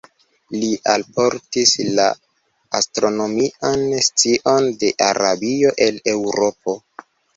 Li alportis la astronomian scion de Arabio al Eŭropo.